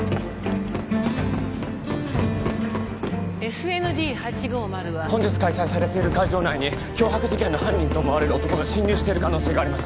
ＳＮＤ８５０は本日開催されている会場内に脅迫事件の犯人と思われる男が侵入している可能性があります